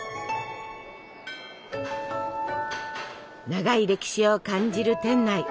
長い歴史を感じる店内。